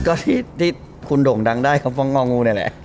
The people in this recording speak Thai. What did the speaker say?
ก็คุณโด่งดั่งได้เค้าร์นงองูเนี่ยแหละ